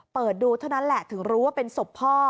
เปิดดูเท่านั้นแหละถึงรู้ว่าเป็นศพพ่อ